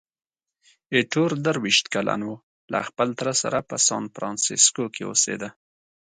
ایټور درویشت کلن وو، له خپل تره سره په سانفرانسیسکو کې اوسېده.